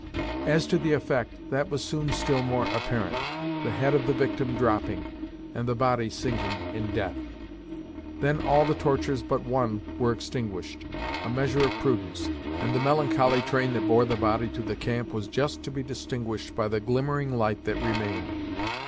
As to the effect, that was soon still more apparent, the head of the victim dropping, and the body sinking in death. Then all the torches but one were extinguished a measure of prudence; and the melancholy train that bore the body to the camp was just to be distinguished by the glimmering light that remained.